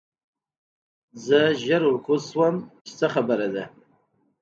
زه ژر ورکوز شوم چې څه خبره ده